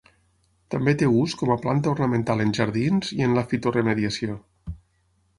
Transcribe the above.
També té ús com a planta ornamental en jardins i en la fitoremediació.